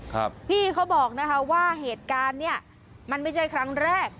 พี่เขาบอกนะคะว่าเหตุการณ์เนี้ยมันไม่ใช่ครั้งแรก